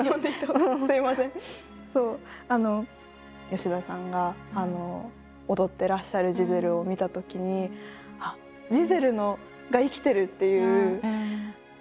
吉田さんが踊ってらっしゃる「ジゼル」を観たときに「あっジゼルが生きてる！」っていう。